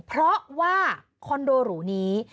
เพราะว่าคอนโดหรูนี้